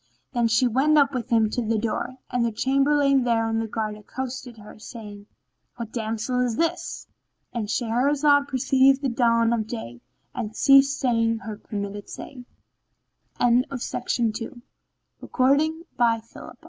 Then she went up with him to the door, and the Chamberlain there on guard accosted her, saying "What damsel is this?"—And Shahrazad perceived the dawn of day and ceased saying her permitted say. When it was the Two Hundred and Forty fourth N